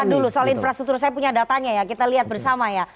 tahan dulu soal infrastruktur saya punya datanya ya kita lihat bersama ya